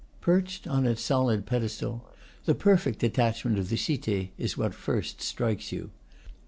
Perched on its solid pedestal, the perfect de tachment of the Cite is what first strikes you.